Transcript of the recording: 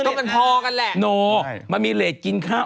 เท่าไม่ละไม่ต้องมีเหรทกินข้าว